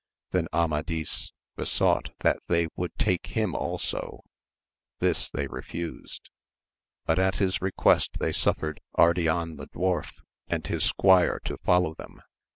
Then Amadis besought that they would take him also ; this they refused, but at his re quest they suffered Ardian the Dwarf, and his squire to follow them.